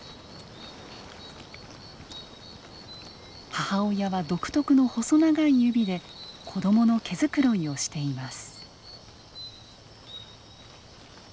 母親は独特の細長い指で子どもの毛繕いをしています。